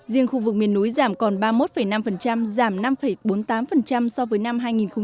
riêng khu vực miền núi giảm còn ba mươi một năm giảm năm bốn mươi tám so với năm hai nghìn một mươi bảy